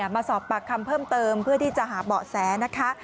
มาสอบปากคำเพิ่มเติมเพื่อที่จะหาเบาะแสนะคะ